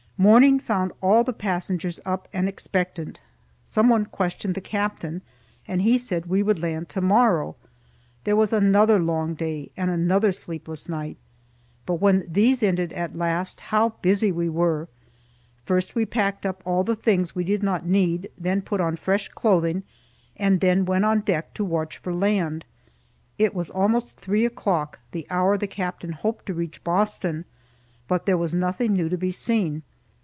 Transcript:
Morning found all the passengers up and expectant. Someone questioned the captain, and he said we would land to morrow. There was another long day, and another sleepless night, but when these ended at last, how busy we were! First we packed up all the things we did not need, then put on fresh clothing, and then went on deck to watch for land. It was almost three o'clock, the hour the captain hoped to reach Boston, but there was nothing new to be seen.